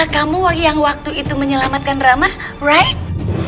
kamu yang waktu itu menyelamatkan ramah right